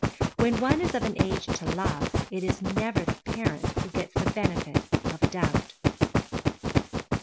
When one is of an age to love, it is never the parent who gets the benefit of a doubt.